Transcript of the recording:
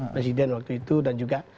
presiden waktu itu dan juga